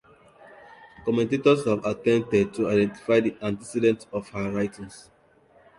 Commentators have attempted to identify the antecedents of her writings.